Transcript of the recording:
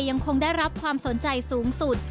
ยังคงได้รับความสนใจสูงสุด